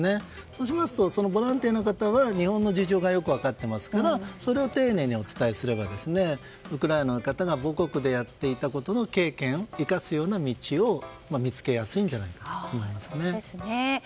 そうしますとボランティアの方は日本の事情がよく分かっていますからそれを丁寧にお伝えすればウクライナの方が母国でやっていたことの経験を生かすような道を見つけやすいんじゃないかと思います。